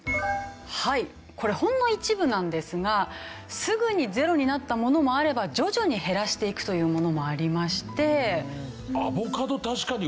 はいこれほんの一部なんですがすぐにゼロになったものもあれば徐々に減らしていくというものもありまして。